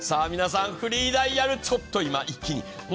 皆さん、フリーダイヤル今、ちょっと一気に。